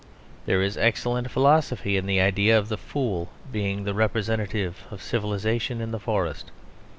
There is excellent philosophy in the idea of the fool being the representative of civilisation in the forest.